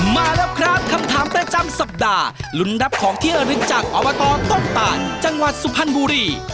มาแล้วครับคำถามประจำสัปดาห์ลุ้นรับของที่ระลึกจากอบตต้นตานจังหวัดสุพรรณบุรี